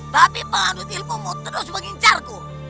tapi pengadut ilmumu terus mengincarku